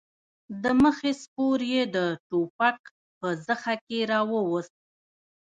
د مخې سپور يې د ټوپک په زخه کې راووست.